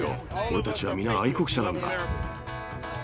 俺たちは皆、愛国者なんだ。